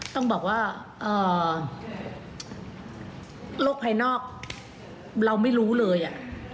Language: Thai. ต้องบอกว่าเอ่อโลกภายนอกเราไม่รู้เลยอ่ะ